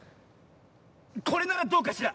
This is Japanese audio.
これならどうかしら？